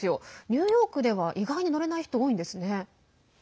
ニューヨークでは意外に乗れない人、多いんですね。